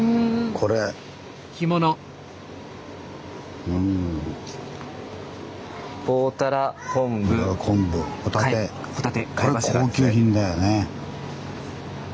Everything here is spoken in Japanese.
これ高級品だよね。